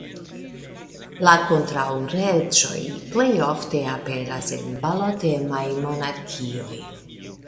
La kontraŭreĝoj plej ofte aperas en balotemaj monarkioj.